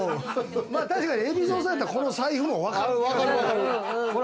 確かに海老蔵さんやったら、この財布も分かる。